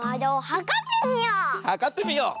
はかってみよう！